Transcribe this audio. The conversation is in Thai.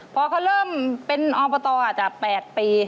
พอเขาเริ่มเป็นออมพตจาก๘ปี